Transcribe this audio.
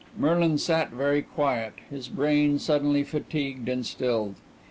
Merlin sat very quiet, his brain suddenly fatigued and stilled.